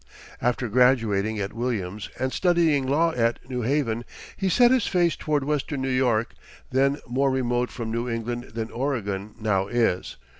After graduating at Williams, and studying law at New Haven, he set his face toward western New York, then more remote from New England than Oregon now is.